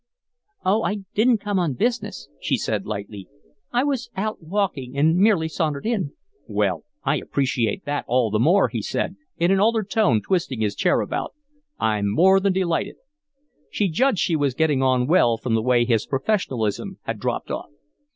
"Oh, I didn't come on business," she said, lightly. "I was out walking and merely sauntered in." "Well, I appreciate that all the more," he said, in an altered tone, twisting his chair about. "I'm more than delighted." She judged she was getting on well from the way his professionalism had dropped off.